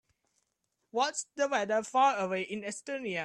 What's the weather far away in Estonia?